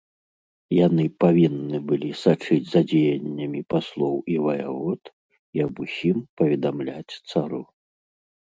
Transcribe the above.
Яны павінны былі сачыць за дзеяннямі паслоў і ваявод і аб усім паведамляць цару.